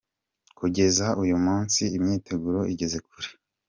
com ko kugeza uyu munsi imyiteguro igeze kure.